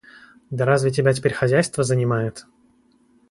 Да разве тебя теперь хозяйство занимает?